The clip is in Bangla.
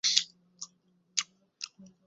ওটা নিচে রাখো আর এ ব্যাপারে কথা বলি।